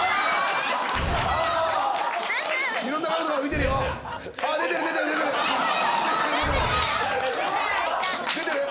いろんな角度から見てるよ。